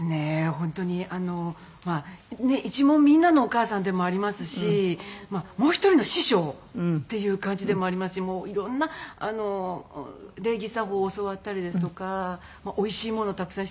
本当に一門みんなのお母さんでもありますしもう１人の師匠っていう感じでもありますし色んな礼儀作法を教わったりですとか。